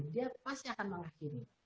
dia pasti akan mengakhiri